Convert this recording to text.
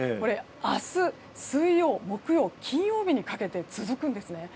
明日、水曜、木曜金曜日にかけて続くんですね。